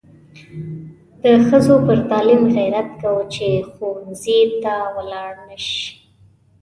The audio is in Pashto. د ښځو پر تعلیم غیرت کوو چې ښوونځي ته ولاړې نشي.